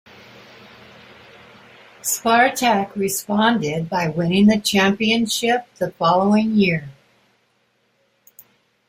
Spartak responded by winning the championship the following year.